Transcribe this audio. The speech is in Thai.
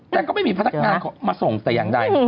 แต่ก็ไม่มีพนักงานมาส่งแต่อย่างใด